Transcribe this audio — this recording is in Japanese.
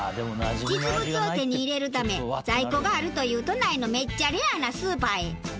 実物を手に入れるため在庫があるという都内のめっちゃレアなスーパーへ。